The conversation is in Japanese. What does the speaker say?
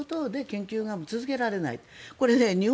そういうことで研究が続けられない。